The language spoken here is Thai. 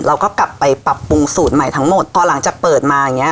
เราก็กลับไปปรับปรุงสูตรใหม่ทั้งหมดพอหลังจากเปิดมาอย่างเงี้